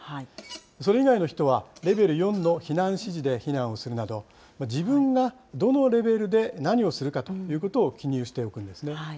それ以外の人はレベル４の避難指示で避難をするなど、自分がどのレベルで何をするかということを記入しておくんですね。